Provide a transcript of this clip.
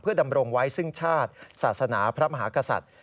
ดำรงไว้ซึ่งชาติศาสนาพระมหากษัตริย์